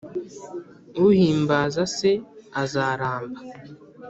Uhimbaza se azaramba,